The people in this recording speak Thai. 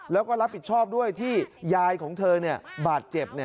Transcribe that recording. แล้วก็รับผิดชอบด้วยที่ยายของเธอบาดเจ็บ